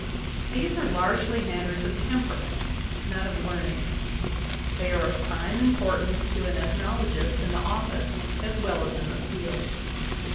These are largely matters of temperament, not of learning; they are of prime importance to an ethnolo gist in the office as well as in the field.